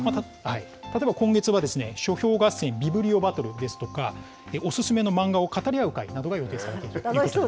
例えば今月は、書評合戦・ビブリオバトルですとか、お勧めの漫画を語り合う会などが予定されています。